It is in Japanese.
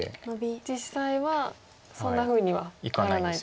実際はそんなふうにはならないと。